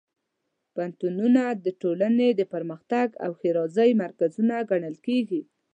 پوهنتونونه د ټولنې د پرمختګ او ښېرازۍ مرکزونه ګڼل کېږي.